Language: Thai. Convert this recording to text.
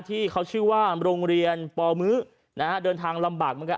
ที่เขาชื่อว่าโรงเรียนปมื้อนะฮะเดินทางลำบากเหมือนกัน